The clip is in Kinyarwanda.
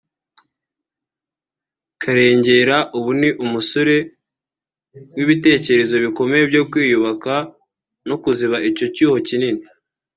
Karengera ubu ni umusore w’ibitekerezo bikomeye byo kwiyubaka no kuziba icyo cyuho kinini